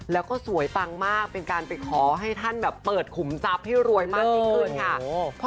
แล้วก็สวยปังมากเป็นการไปขอให้ท่านแบบเปิดขุมทรัพย์ให้รวยมากยิ่งขึ้นค่ะ